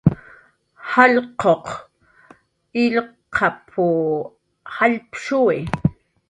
"jallq'uq illqap"" jallpshuwi."